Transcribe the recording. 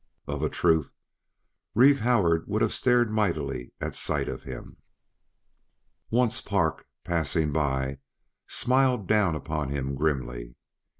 Of a truth, Reeve Howard would have stared mightily at sight of him. Once Park, passing by, smiled down upon him grimly.